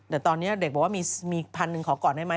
แต่ตอนนี้เด็กบอกว่ามีพันหนึ่งขอก่อนได้ไหม